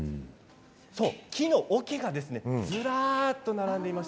木のおけがずらりと並んでいます。